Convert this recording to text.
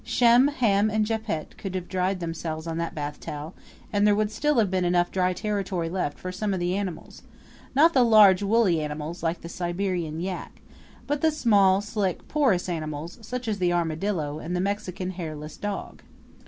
Shem, Ham and Japhet could have dried themselves on that bathtowel, and there would still have been enough dry territory left for some of the animals not the large, woolly animals like the Siberian yak, but the small, slick, porous animals such as the armadillo and the Mexican hairless dog.